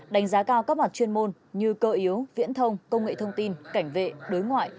đánh giá cao các mặt chuyên môn như cơ yếu viễn thông công nghệ thông tin cảnh vệ đối ngoại